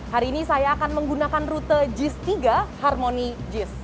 hari ini saya akan menggunakan rute jis tiga harmonyjs